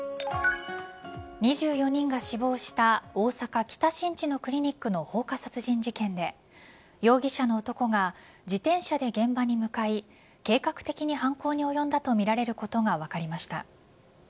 ２４人が死亡した大阪・北新地のクリニックの放火殺人事件で容疑者の男が自転車で現場に向かい計画的に犯行に及んだとみられることが分かりました。